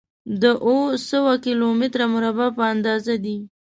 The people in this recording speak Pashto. د اووه سوه کيلو متره مربع په اندازه دی.